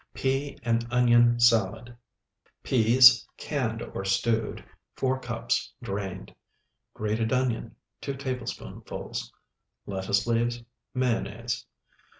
PEA AND ONION SALAD Peas, canned or stewed, 4 cups drained. Grated onion, 2 tablespoonfuls. Lettuce leaves. Mayonnaise.